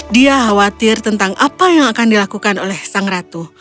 dia khawatir tentang apa yang akan dilakukan oleh sang ratu